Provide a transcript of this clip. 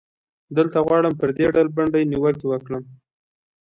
دلته غواړم پر دې ډلبندۍ نیوکې وکړم.